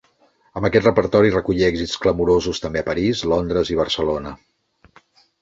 Amb aquest repertori recollí èxits clamorosos també a París, Londres i Barcelona.